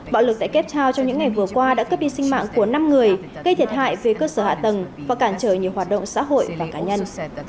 bạo lực tại cape town trong những ngày vừa qua đã cướp đi sinh mạng của năm người gây thiệt hại về cơ sở hạ tầng và cản trở nhiều hoạt động xã hội và cá nhân